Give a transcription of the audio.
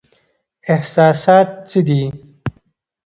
احساسات څه دي؟